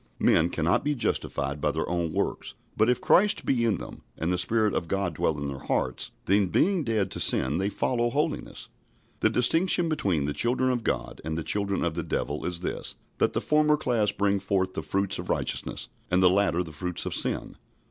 Men cannot be justified by their own works, but if Christ be in them and the Spirit of God dwell in their hearts, then, being dead to sin, they follow holiness. The distinction between the children of God and the children of the devil is this, that the former class bring forth the fruits of righteousness, and the latter the fruits of sin.